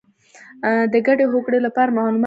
د ګډې هوکړې لپاره معلومات راغونډ او وڅېړئ.